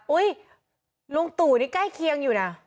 ลุงตู่นี่ใกล้เคียงอยู่นะ